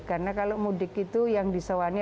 karena kalau mudik itu yang disewani